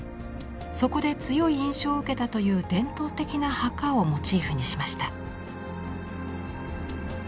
そこで強い印象を受けたという伝統的な墓をモチーフにしました。